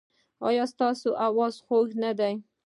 ایا ستاسو اواز خوږ نه دی؟